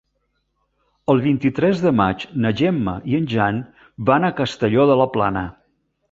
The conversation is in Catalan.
El vint-i-tres de maig na Gemma i en Jan van a Castelló de la Plana.